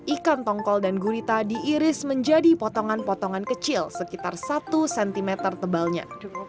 ikan tongkol dan gurita diiris menjadi potongan potongan kecil sekitar satu cm tebalnya